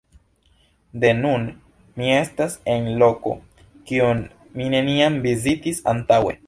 De nun, mi estas en loko, kiun mi neniam vizitis antaŭe.